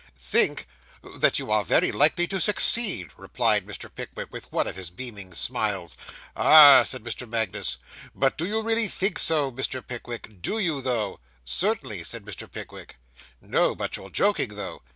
'Think! That you are very likely to succeed,' replied Mr. Pickwick, with one of his beaming smiles. 'Ah!' said Mr. Magnus. 'But do you really think so, Mr. Pickwick? Do you, though?' 'Certainly,' said Mr. Pickwick. 'No; but you're joking, though.